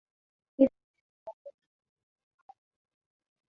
hivi kweli congo mnasikia mnaona